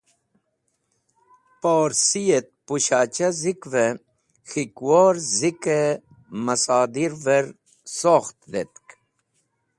Porsi et Pushacha Zikve K̃hikwor Zike Masadirver Sokht dhetk.